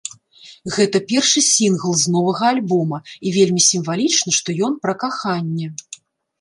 Гэта першы сінгл з новага альбома, і вельмі сімвалічна, што ён пра каханне.